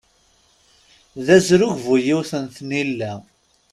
D azrug bu-yiwet n tnila.